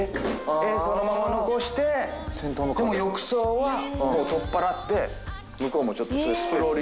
絵そのまま残してでも浴槽はもう取っ払って向こうもちょっとそういうスペース。